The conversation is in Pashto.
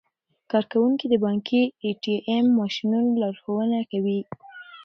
کارکوونکي د بانکي ای ټي ایم ماشینونو لارښوونه کوي.